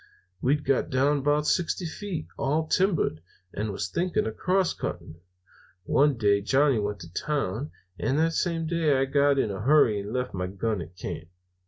We'd got down about sixty feet, all timbered, and was thinking of crosscutting. One day Johnny went to town, and that same day I got in a hurry and left my gun at camp.